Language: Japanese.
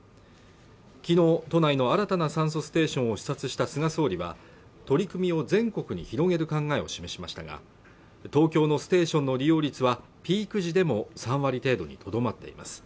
昨日、都内の新たな酸素ステーションを視察した菅総理は取り組みを全国に広げる考えを示しましたが東京のステーションの利用率はピーク時でも３割程度にとどまっています